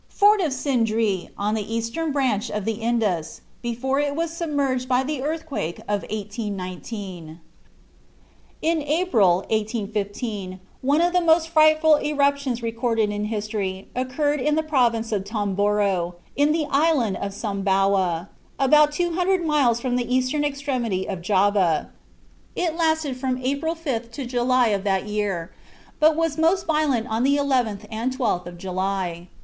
FORT OF SINDEE, ON THE EASTERN BRANCH OF THE INDUS, BEFORE IT WAS SUBMERGED BY THE EARTHQUAKE OF 1819. In April, 1815, one of the most frightful eruptions recorded in history occurred in the province of Tomboro, in the island of Sumbawa, about two hundred miles from the eastern extremity of Java. It lasted from April 5th to July of that year; but was most violent on the 11th and 12th of July.